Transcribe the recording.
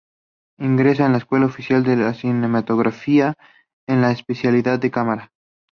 Ingresa en la Escuela Oficial de Cinematografía en la especialidad de cámara.